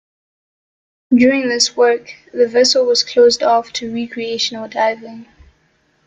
During this work, the vessel was closed off to recreational diving.